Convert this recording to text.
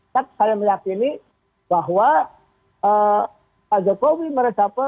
tetap saya meyakini bahwa pak jokowi meresapel